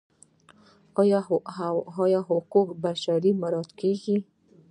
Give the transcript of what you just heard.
آیا حقوق بشر مراعات کیږي؟